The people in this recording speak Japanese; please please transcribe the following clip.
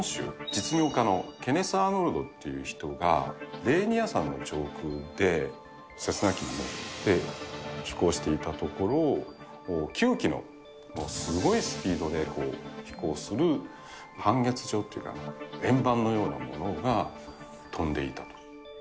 実業家のケネス・アーノルドっていう人が、レーニア山の上空で、セスナ機に乗って飛行していたところ、９機のすごいスピードで飛行する半月状っていうかね、円盤のようなものが飛んでいたと。